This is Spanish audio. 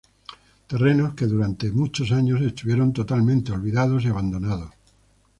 Terrenos que durante muchos años estuvieran totalmente olvidados y abandonados.